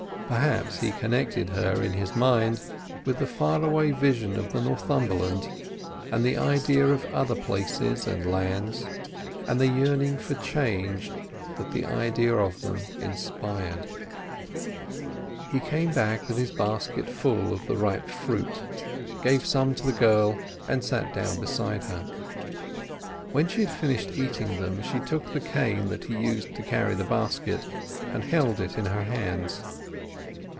Perhaps he connected her in his mind with the far away vision of the Northumberland, and the idea of other places and lands, and the yearning for change the idea of them inspired. He came back with his basket full of the ripe fruit, gave some to the girl and sat down beside her. When she had finished eating them she took the cane that he used for carrying the basket and held it in her hands.